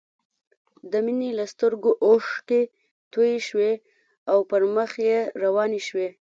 د مينې له سترګو اوښکې توې شوې او پر مخ يې روانې شوې